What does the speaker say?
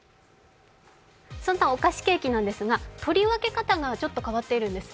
そんなお菓子ケーキなんですが、とりわけ方がちょっと変わっているんです。